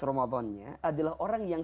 ramadannya adalah orang yang